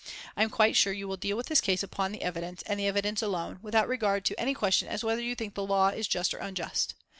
I am quite sure you will deal with this case upon the evidence, and the evidence alone, without regard to any question as to whether you think the law is just or unjust.